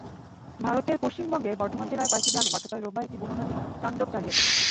ভারতের পশ্চিমবঙ্গের বর্ধমান জেলার কয়েকটি গ্রামে গতকাল রোববার একটি বুনো হাতি তাণ্ডব চালিয়েছে।